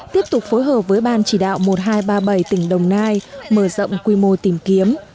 tiếp tục phối hợp với ban chỉ đạo một nghìn hai trăm ba mươi bảy tỉnh đồng nai mở rộng quy mô tìm kiếm